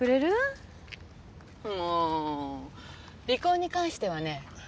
離婚に関してはね